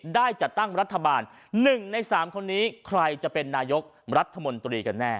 ได้จัดตั้งรัฐบาล๑ใน๓คนนี้ใครจะเป็นนายกรัฐมนตรีกันแน่